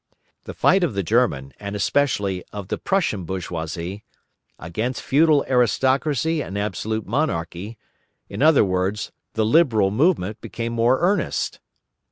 The fight of the German, and especially, of the Prussian bourgeoisie, against feudal aristocracy and absolute monarchy, in other words, the liberal movement, became more earnest.